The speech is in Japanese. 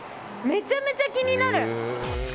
めちゃめちゃ気になる。